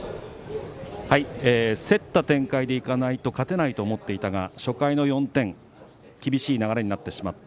競った展開でいかないと勝てないと思っていたが初回の４点厳しい流れになってしまった。